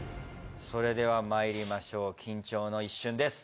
それではまいりましょう緊張の一瞬です